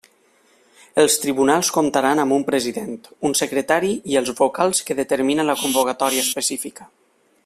Els tribunals comptaran amb un president, un secretari i els vocals que determine la convocatòria específica.